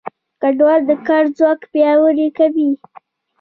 کډوال د کار ځواک پیاوړی کوي.